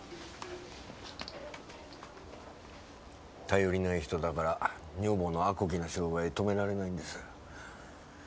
頼りない人だから女房のあこぎな商売止められないんです。